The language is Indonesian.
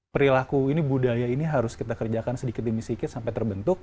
perilaku ini budaya ini harus kita kerjakan sedikit demi sedikit sampai terbentuk